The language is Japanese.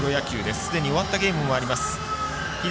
すでに終わったゲームもあります。